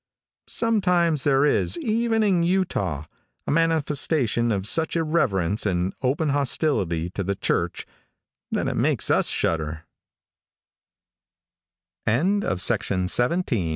Sometimes there is, even in Utah, a manifestation of such irreverence and open hostility to the church that it makes us shud